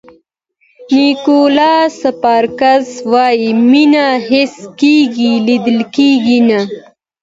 نیکولاس سپارکز وایي مینه حس کېږي لیدل کېږي نه.